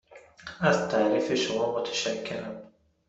از تعریف شما متشکرم.